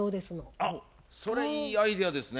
あっそれいいアイデアですね。